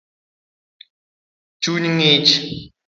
Chuny ngich